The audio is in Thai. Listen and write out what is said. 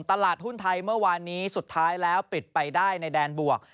ตลาดหุ้นไทยเมื่อวานนี้สุดท้ายแล้วปิดไปได้ในแดนบวก